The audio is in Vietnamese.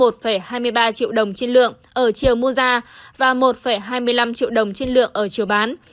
một hai mươi ba triệu đồng trên lượng ở chiều mua ra và một hai mươi năm triệu đồng trên lượng ở chiều bán